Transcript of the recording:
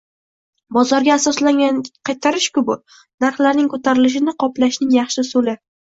Bozorga asoslangan qaytarish-bu narxlarning ko'tarilishini qoplashning yaxshi usuli